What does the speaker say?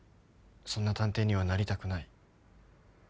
そんな探偵にはなりたくない。